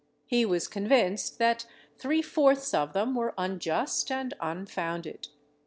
He was convinced that three fourths of them were unjust and unfounded.